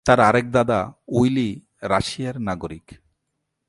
তার আরেক দাদা উইলি রাশিয়ার নাগরিক।